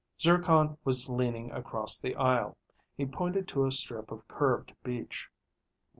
Zircon was leaning across the aisle. He pointed to a strip of curved beach.